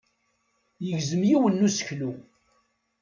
Yegzem yiwen n useklu.